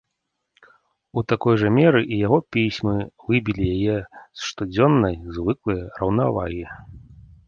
У такой жа меры і яго пісьмы выбілі яе з штодзённай звыклай раўнавагі.